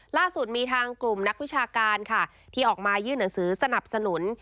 ล่าสุดมีทางกลุ่มนักวิชาการค่ะที่ออกมายื่นหนังสือสนับสนุน